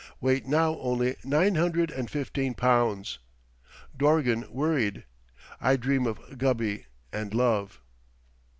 Weight now only nine hundred and fifteen pounds. Dorgan worried. I dream of Gubby and love.